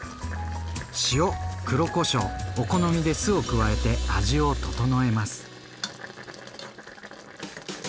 塩・黒こしょうお好みで酢を加えて味を調えます。